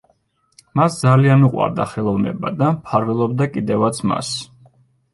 მას ძალიან უყვარდა ხელოვნება და მფარველობდა კიდევაც მას.